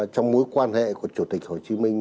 trong mối quan hệ của chủ tịch hồ chí minh